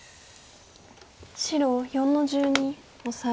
白４の十二オサエ。